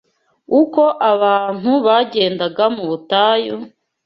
Uko abantu bagendaga mu butayu,